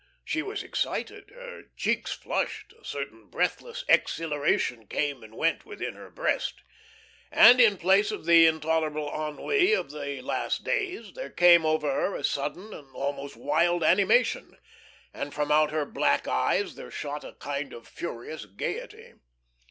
She was excited, her cheeks flushed, a certain breathless exhilaration came and went within her breast, and in place of the intolerable ennui of the last days, there came over her a sudden, an almost wild animation, and from out her black eyes there shot a kind of furious gaiety.